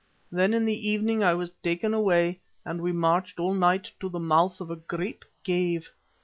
Then in the evening I was taken away, and we marched all night to the mouth of a great cave.